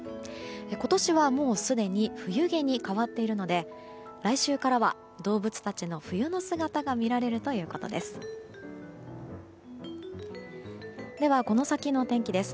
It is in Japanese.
今年はもう、すでに冬毛に変わっているので来週からは動物たちの冬の姿が見られるということです。